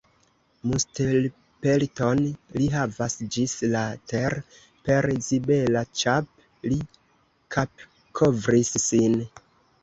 Mustelpelton li havas ĝis la ter', Per zibela ĉap' li kapkovris sin.